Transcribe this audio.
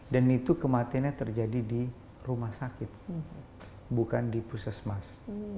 dan itu kematiannya terjadi di rumah sakit bukan di puskesmas